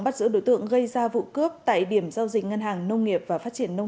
bắt giữ đối tượng gây ra vụ cướp tại điểm giao dịch ngân hàng nông nghiệp và phát triển nông